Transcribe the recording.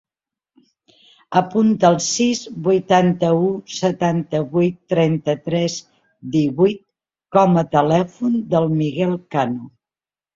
Apunta el sis, vuitanta-u, setanta-vuit, trenta-tres, divuit com a telèfon del Miguel Cano.